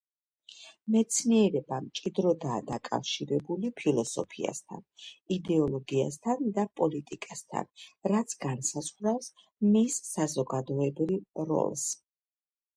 მეცნიერება მჭიდროდაა დაკავშირებული ფილოსოფიასთან, იდეოლოგიასთან და პოლიტიკასთან, რაც განსაზღვრავს მის საზოგადოებრივ როლს.